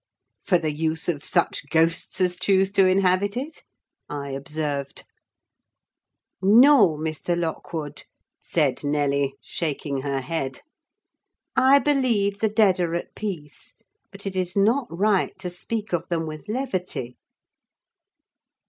"For the use of such ghosts as choose to inhabit it?" I observed. "No, Mr. Lockwood," said Nelly, shaking her head. "I believe the dead are at peace: but it is not right to speak of them with levity."